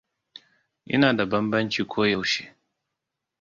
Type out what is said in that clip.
Ina da banbanci ko yaushe.